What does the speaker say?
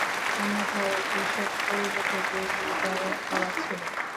অন্যথায় এসব পূর্ব থেকেই নির্ধারণ করা ছিল।